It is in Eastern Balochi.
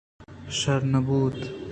شرّ نہ بوت